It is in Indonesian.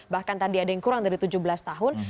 bahkan tadi ada yang kurang dari tujuh belas tahun